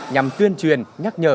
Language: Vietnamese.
nhằm tuyên truyền nhắc nhở